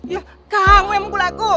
ya kamu yang mukul aku